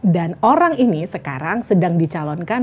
dan orang ini sekarang sedang dicalonkan